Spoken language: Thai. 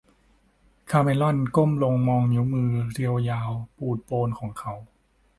คาเมรอนก้มลงมองนิ้วมือเรียวยาวปูดโปนของเขา